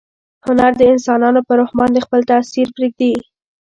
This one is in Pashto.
هنر د انسانانو په روح باندې خپل تاثیر پریږدي.